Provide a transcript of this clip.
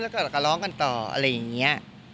แล้วก็ร้องกันต่ออะไรอย่างนี้